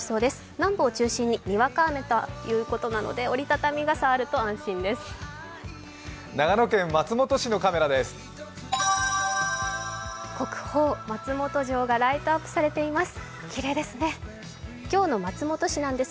南部を中心ににわか雨ということなので、折りたたみ傘があると安心です。